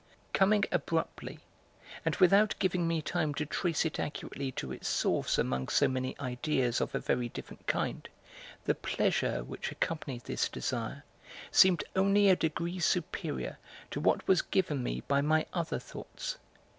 Coming abruptly, and without giving me time to trace it accurately to its source among so many ideas of a very different kind, the pleasure which accompanied this desire seemed only a degree superior to what was given me by my other thoughts.